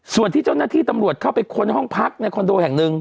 ส่วนที่เจ้าหน้าที่ตำรวจเข้าไปค้นห้องพักในคอนโดแห่งหนึ่ง